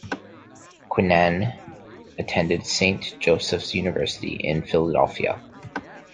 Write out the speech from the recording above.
Queenan attended Saint Joseph's University in Philadelphia.